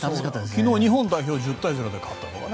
昨日、日本代表１０対０で勝ったとかね。